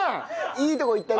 いいとこいったね。